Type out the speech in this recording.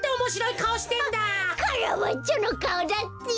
カラバッチョのかおだって！